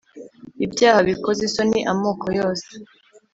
ibyaha bikoza isoni amoko yose